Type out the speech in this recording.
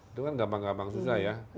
itu kan gampang gampang susah ya